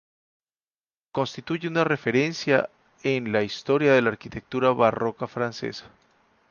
Constituye una referencia en la historia de la arquitectura barroca francesa.